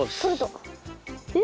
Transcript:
えっ！？